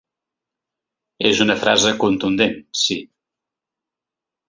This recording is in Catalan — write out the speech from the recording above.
És una frase contundent, sí.